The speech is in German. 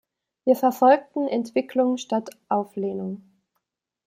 Wir verfolgten Entwicklung statt Auflehnung.